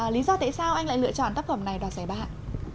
lý do tại sao anh lại lựa chọn tác phẩm này đạt giải ba